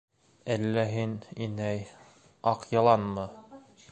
- Әллә һин, инәй, аҡ йыланмы?